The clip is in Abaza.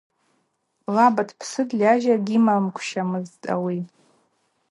Лаба дпсытӏ, льажьа гьйымагвщамызтӏ ауи.